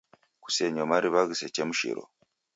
Kusenyo mariw'a ghisechemshiro